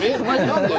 何で？